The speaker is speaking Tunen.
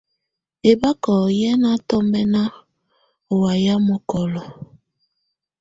Ɛ́bákɔ́ yɛ́ ná tɔmbɛ́na ú wayɛ̀á mɔkɔlɔ.